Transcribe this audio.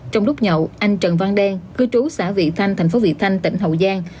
trong lúc nhậu anh trần văn đen cư trú xã vị thanh thành phố vị thanh tỉnh hậu giang